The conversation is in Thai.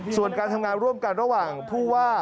ส่วนการทำงานร่วมกันระหว่างผู้ว่า